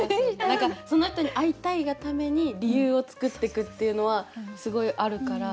何かその人にいたいがために理由を作ってくっていうのはすごいあるから。